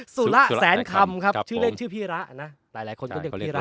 สุระแสนคำครับชื่อเล่นชื่อพี่ระนะหลายคนก็เรียกพี่ระ